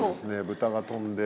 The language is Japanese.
豚が飛んで。